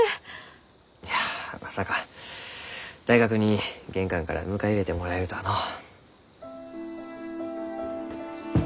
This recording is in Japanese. いやまさか大学に玄関から迎え入れてもらえるとはのう。